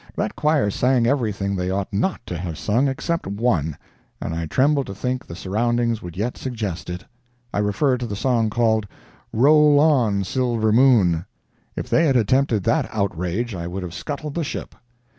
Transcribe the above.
That choir sang everything they ought not to have sung except one, and I trembled to think the surroundings would yet suggest it. I refer to the song called "Roll On, Silver Moon." If they had attempted that outrage I would have scuttled the ship.